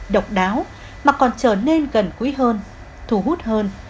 độc đáo mà còn trở nên gần quý hơn thu hút hơn